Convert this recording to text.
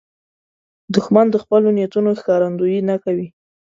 دښمن د خپلو نیتونو ښکارندویي نه کوي